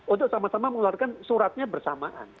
untuk sama sama mengeluarkan suratnya bersamaan